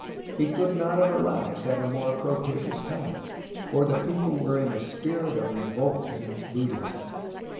He could not have ar rived at a more propitious time, for the people were in a spirit of revolt against Buddhism.